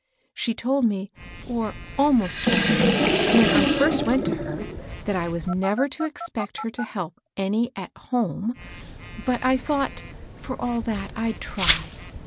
She told me, — or almost told me, — when I first went to her, that I was never to expect her to help any at home; but I thought, for all that, I'd try.